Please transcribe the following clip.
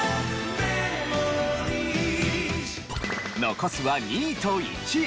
残すは２位と１位。